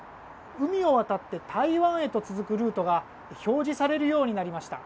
海を渡って台湾へと続くルートが表示されるようになりました。